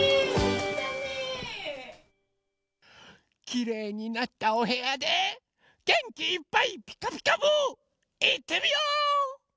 きれいになったおへやでげんきいっぱい「ピカピカブ！」いってみよう！